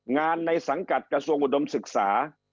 ในสังกัดกระทรวงอุดมศึกษา